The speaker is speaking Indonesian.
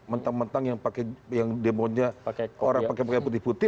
mentang mentang yang pakai yang demonya orang pakai pakai putih putih